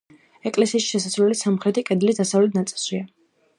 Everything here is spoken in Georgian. ეკლესიაში შესასვლელი სამხრეთი კედლის დასავლეთ ნაწილშია.